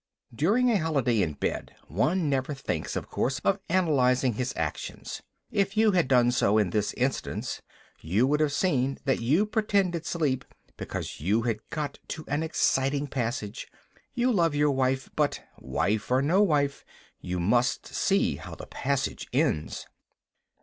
During a holiday in bed one never thinks, of course, of analyzing his actions. If you had done so in this instance, you would have seen that you pretended sleep because you had got to an exciting passage. You love your wife, but, wife or no wife, you must see how the passage ends.